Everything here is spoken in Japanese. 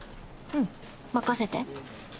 うん任せて。